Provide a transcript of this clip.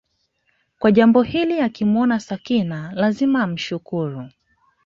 kwa jambo hilo akimwona Sakina lazima amshukuru